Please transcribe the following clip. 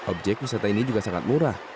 objek wisata ini juga sangat murah